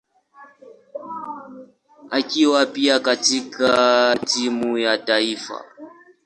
akiwa pia katika timu ya taifa.